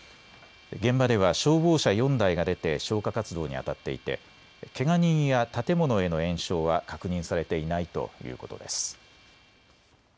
現場では消防車４台が出て消火活動にあたっていてけが人や建物への延焼は確認されていないということです。